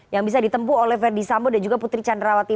yang bisa ditempu oleh ferdisamo dan juga putri candrawati